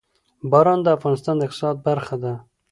باران د افغانستان د اقتصاد برخه ده.